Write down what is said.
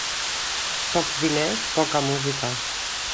Pocs diners, poca música.